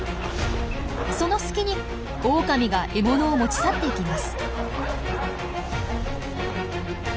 その隙にオオカミが獲物を持ち去っていきます。